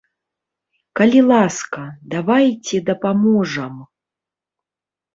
Калі ласка, давайце дапаможам!